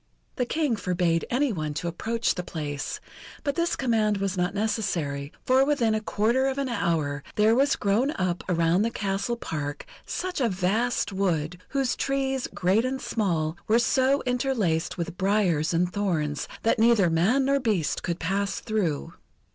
The King forbade any one to approach the place, but this command was not necessary, for within a quarter of an hour there was grown up around the castle park, such a vast wood, whose trees, great and small, were so interlaced with briars and thorns, that neither man nor beast could pass through.